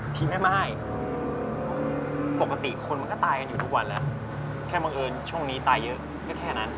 ผีแม่ไม้ปกติคนมันก็ตายกันอยู่ทุกวันแล้วแค่บังเอิญช่วงนี้ตายเยอะก็แค่นั้น